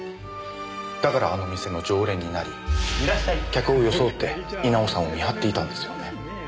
だからあの店の常連になり客を装って稲尾さんを見張っていたんですよね。